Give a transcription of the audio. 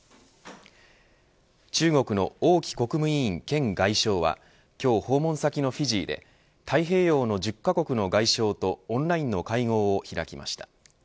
中国の王毅国務委員兼外相は今日訪問先のフィジーで太平洋の１０カ国の外相とオンラインの会合を開きました。